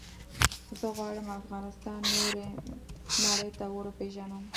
زه غواړم افغانستان نورې نړی ته وروپېژنم.